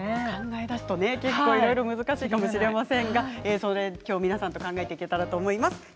考えだすと結構いろいろ難しいかもしれませんが皆さんと考えていけたらと思います。